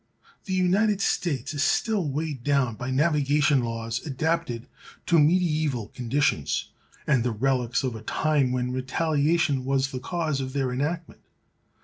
The United States is still weighed down by navigation laws adapted to mediæval conditions, and the relics of a time when retaliation was the cause of their enactment.